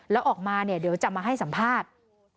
แล้วออกมาเนี่ยเดี๋ยวจะมาให้สัมภาษณ์